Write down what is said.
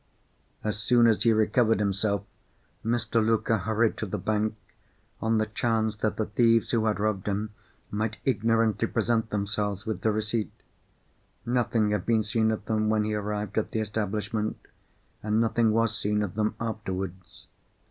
As soon as he recovered himself, Mr. Luker hurried to the bank, on the chance that the thieves who had robbed him might ignorantly present themselves with the receipt. Nothing had been seen of them when he arrived at the establishment, and nothing was seen of them afterwards.